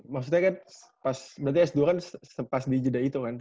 maksudnya kan berarti s dua kan pas dijeda itu kan